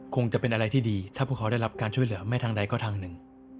คงจะเป็นอะไรที่ดีถ้าพวกเขาได้รับการช่วยเหลือไม่ทางใดก็ทางหนึ่ง